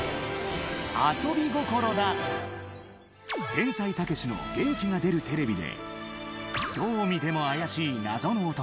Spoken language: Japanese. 「天才・たけしの元気が出るテレビ！！」でどう見ても怪しい謎の男